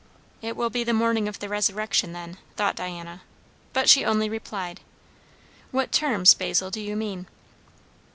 '" It will be the morning of the resurrection, then, thought Diana; but she only replied, "What 'terms,' Basil, do you mean?"